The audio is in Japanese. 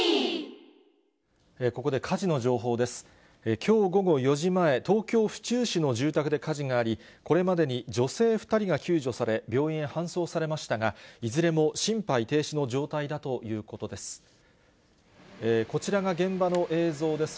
きょう午後４時前、東京・府中市の住宅で火事があり、これまでに女性２人が救助され、病院へ搬送されましたが、いずれも心肺停止の状態だということです。